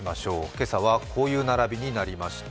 今朝はこういう並びになりました。